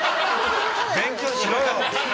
勉強しろよ！